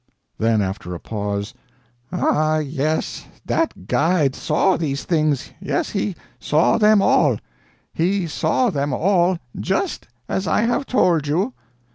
Then after a pause: "Ah, yes, that guide saw these things yes, he saw them all. He saw them all, just as I have told you."